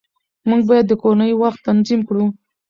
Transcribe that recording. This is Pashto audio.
موږ باید د کورنۍ وخت تنظیم کړو